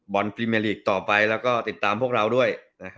พรีเมลีกต่อไปแล้วก็ติดตามพวกเราด้วย